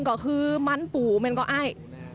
อ่อนก็คือมันอ่ะมันอ่อย